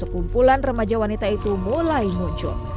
kumpulan remaja wanita itu mulai muncul